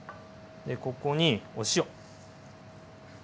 ここにお塩。